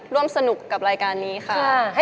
ร่วมสนุกกับรายการนี้ค่ะ